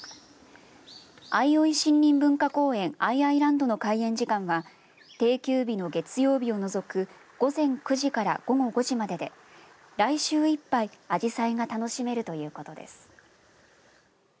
どの開園時間は定休日の月曜日を除く午前９時から午後５時までで来週いっぱいアジサイが楽しめるということです。